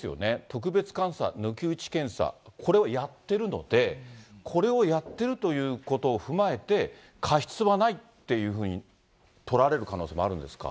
特別監査、抜き打ち検査、これをやってるので、これをやっているということを踏まえて、過失はないっていうふうに取られる可能性もあるんですか？